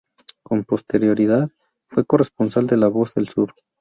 Con posterioridad fue corresponsal de "La Voz del Sur".